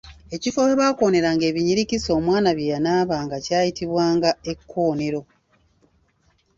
Ekifo we baakooneranga ebinyirikisi omwana bye yanaabanga kyayitibwanga ekkoonero.